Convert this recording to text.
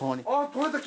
取れた。